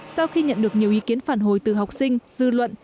sau khi nhận được nhiều ý kiến phản hồi từ học sinh dư luận